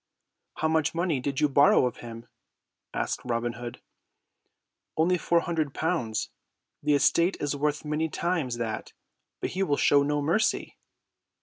"How much money did you borrow of him?" asked Robin Hood. "Only four hundred pounds. The estate is worth many times that but he will show no mercy."